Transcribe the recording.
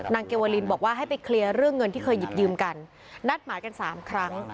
เกวลินบอกว่าให้ไปเคลียร์เรื่องเงินที่เคยหยิบยืมกันนัดหมายกันสามครั้ง